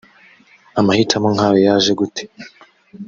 amahitamo nk’ayo yaje gute